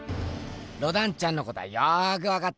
ロダンちゃんのことはよくわかった。